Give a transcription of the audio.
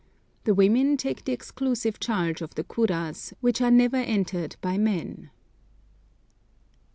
The women take the exclusive charge of the kuras, which are never entered by men.